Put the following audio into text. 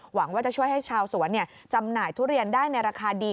หวังว่าจะช่วยให้ชาวสวนจำหน่ายทุเรียนได้ในราคาดี